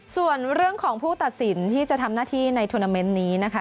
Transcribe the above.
ส่วนเรื่องของผู้ตัดสินที่จะทำหน้าที่ในทวนาเมนต์นี้นะคะ